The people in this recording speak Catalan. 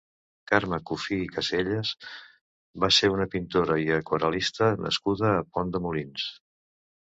Carme Cuffí i Casellas va ser una pintora i aquarel·lista nascuda a Pont de Molins.